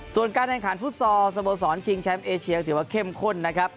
ส่วนการแข่งขันฟุตซอลสโมสรชิงแชมป์เอเชียถือว่าเข้มข้นนะครับ